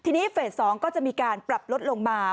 ทีนี้เฟส๒ก็จะมีการปรับลดลงมา